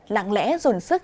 lặng lẽ dồn sức